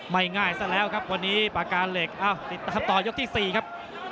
ไม่ง่ายซะแล้วครับวันนี้อาติดตามต่อยกกาเหล็กที่๔ครับ